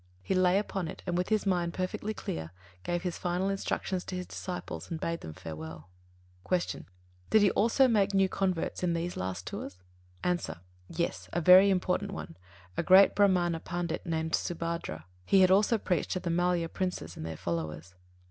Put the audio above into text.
He lay upon it, and with his mind perfectly clear, gave his final instructions to his disciples and bade them farewell. 98. Q. Did he also make new converts in those last tours? A. Yes, a very important one, a great Brāhmana pandit named Subhadra. He had also preached to the Mallya princes and their followers.